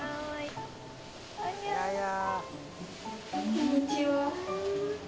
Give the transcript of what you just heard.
こんにちは。